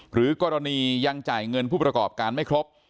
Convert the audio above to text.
หรือกรณียังจ่ายเงินผู้ประกอบการไม่ครบ